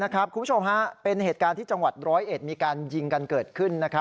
คุณผู้ชมเป็นเหตุการณ์ที่จังหวัดร้อยเอ็ดมีการยิงกันเกิดขึ้น